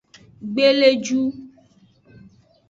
Gbeleju.